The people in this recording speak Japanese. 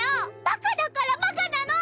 バカだからバカなの！